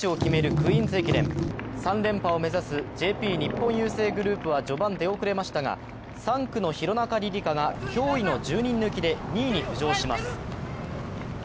クイーンズ駅伝３連覇を目指すＪＰ日本郵政グループは序盤出遅れましたが３区の廣中璃梨佳が驚異の１０人抜きで２位に浮上します。